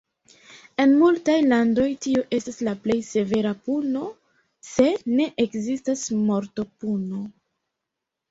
En multaj landoj tio estas la plej severa puno, se ne ekzistas mortopuno.